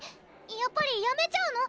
やっぱりやめちゃうの？